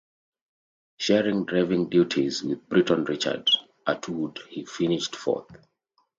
Sharing driving duties with Briton Richard Attwood, he finished fourth.